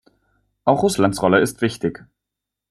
Auch Russlands Rolle ist wichtig.